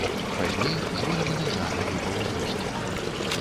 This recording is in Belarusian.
Пазней звольнены з арміі па ўзросце.